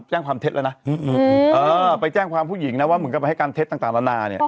แจ้งความเท็จแล้วนะเออไปแจ้งความผู้หญิงนะว่าเหมือนกับไปให้การเท็จต่างละนาเนี่ย